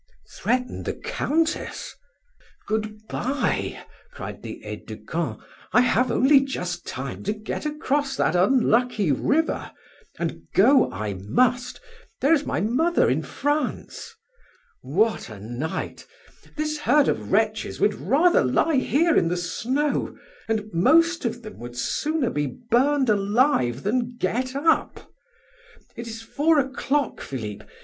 "Threaten the Countess?..." "Good bye," cried the aide de camp; "I have only just time to get across that unlucky river, and go I must, there is my mother in France!... What a night! This herd of wretches would rather lie here in the snow, and most of them would sooner be burned alive than get up.... It is four o'clock, Philip!